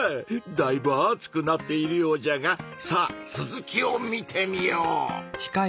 だいぶ熱くなっているようじゃがさあ続きを見てみよう！